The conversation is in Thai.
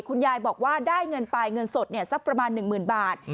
คุณยายบอกว่าได้เงินไปเงินสดสักประมาณ๑๐๐๐บาท